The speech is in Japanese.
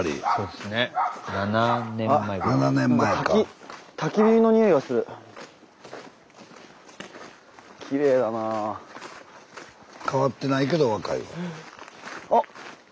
スタジオ変わってないけど若いわ。